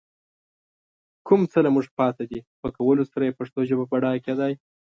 کوم څه له موږ پاتې دي، په کولو سره يې پښتو ژبه بډايه کېدای